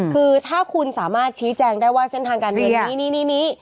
คือถ้าคุณสามารถชี้แจงได้ว่าเส้นทางการเรียนนี้